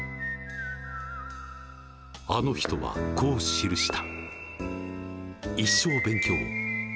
あの人はこう記した。